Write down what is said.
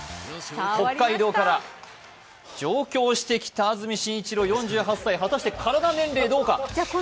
北海道から上京してきた安住紳一郎４８歳、果たして体年齢、どうか？